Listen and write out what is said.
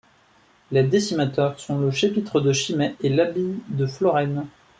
Les décimateurs sont le chapitre de Chimay et l’abbaye de Florennes.